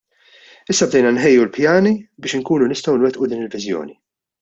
Issa bdejna nħejju l-pjani biex inkunu nistgħu nwettqu din il-Viżjoni.